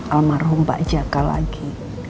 almarhum pak jaka lagi